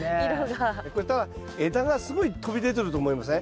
これただ枝がすごい飛び出てると思いません？